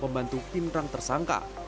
pembantu pintrang tersangka